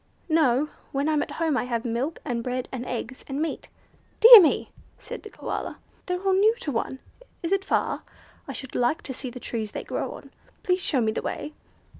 "No. When I'm at home I have milk, and bread, and eggs, and meat." "Dear me!" said the Koala. "They're all new to one. Is it far? I should like to see the trees they grow on. Please show me the way."